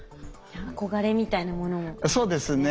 憧れみたいなものもあるんですね。